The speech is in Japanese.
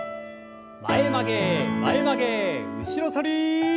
前曲げ前曲げ後ろ反り。